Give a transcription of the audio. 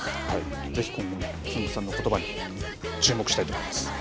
ぜひ今後もつんく♂さんのことばに注目したいと思います。